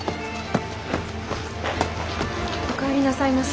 お帰りなさいまし。